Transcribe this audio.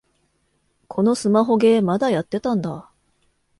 このスマホゲー、まだやってたんだ